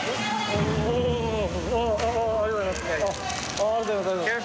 ありがとうございます。